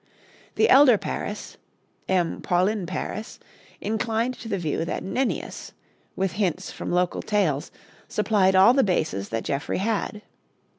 The elder Paris, M. Paulin Paris, inclined to the view that Nennius, with hints from local tales, supplied all the bases that Geoffrey had.